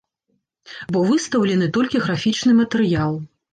Бо выстаўлены толькі графічны матэрыял.